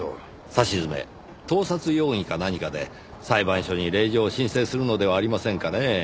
さしずめ盗撮容疑か何かで裁判所に令状を申請するのではありませんかねぇ。